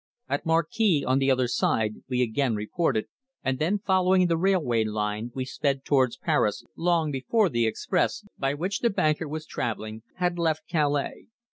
At Marquise, on the other side, we again reported, and then following the railway line we sped towards Paris long before the express, by which the banker was travelling, had left Calais.